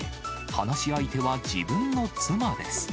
話し相手は自分の妻です。